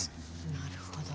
なるほど。